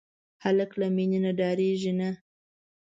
هلک له مینې نه ډاریږي نه.